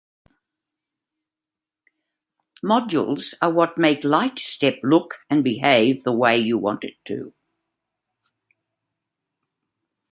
Modules are what make LiteStep look and behave the way you want it to.